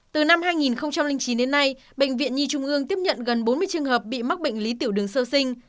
từ năm hai nghìn chín đến nay bệnh viện nhi trung ương tiếp nhận gần bốn mươi trường hợp bị mắc bệnh lý tiểu đường sơ sinh